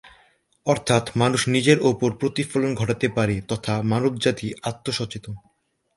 অর্থাৎ মানুষ নিজের উপর প্রতিফলন ঘটাতে পারে তথা মানব জাতি আত্ম-সচেতন।